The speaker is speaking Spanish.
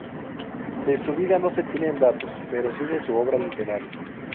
De su vida no se tienen datos, pero sí de su obra literaria.